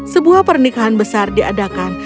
sebuah pernikahan besar diadakan